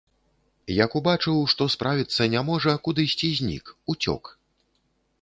Як убачыў, што справіцца не можа, кудысьці знік, уцёк.